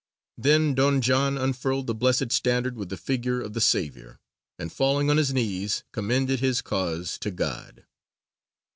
Then Don John unfurled the Blessed Standard with the figure of the Saviour, and falling on his knees commended his cause to God.